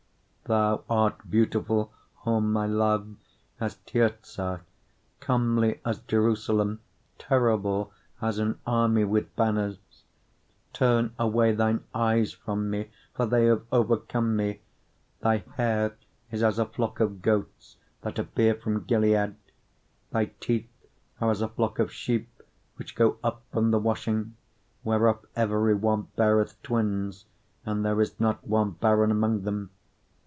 6:4 Thou art beautiful, O my love, as Tirzah, comely as Jerusalem, terrible as an army with banners. 6:5 Turn away thine eyes from me, for they have overcome me: thy hair is as a flock of goats that appear from Gilead. 6:6 Thy teeth are as a flock of sheep which go up from the washing, whereof every one beareth twins, and there is not one barren among them.